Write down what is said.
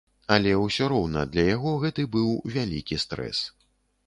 Але ўсё роўна для яго гэты быў вялікі стрэс.